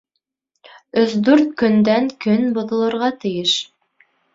— Өс-дүрт көндән көн боҙолорға тейеш.